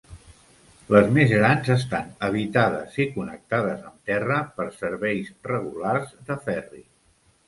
Les més grans estan habitades, i connectades amb terra per serveis regulars de ferri.